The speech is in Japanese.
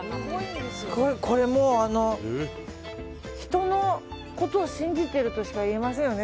これもう、人のことを信じているとしか言えませんよね。